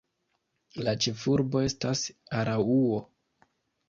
La ĉefurbo estas Araŭo.